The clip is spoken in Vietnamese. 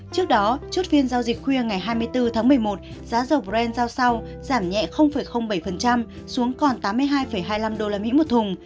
trước đó chốt phiên giao dịch khuya ngày hai mươi bốn tháng một mươi một giá dầu brent giao sau giảm nhẹ bảy xuống còn tám mươi hai hai mươi năm usd một thùng